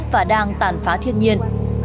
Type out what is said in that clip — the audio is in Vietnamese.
những người đã và đang tàn phá thiên nhiên